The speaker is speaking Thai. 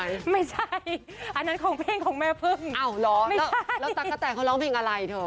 ไม่ใช่อันนั้นของเพลงของแม่พึ่งอ้าวเหรอแล้วตั๊กกะแตนเขาร้องเพลงอะไรเธอ